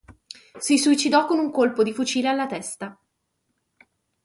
Si suicidò con un colpo di fucile alla testa.